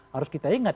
harus kita ingat